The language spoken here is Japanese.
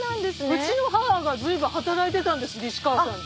うちの母が随分働いてたんです西川さんで。